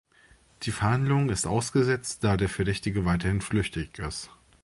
Die Verhandlung ist ausgesetzt, da der Verdächtige weiterhin flüchtig ist.